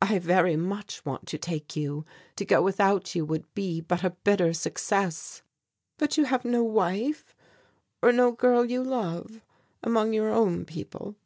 "I very much want to take you; to go without you would be but a bitter success." "But have you no wife, or no girl you love among your own people?"